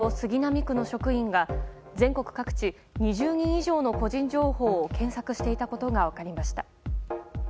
東京・杉並区の職員が全国各地２０人以上の個人情報を検索していたことが分かりました。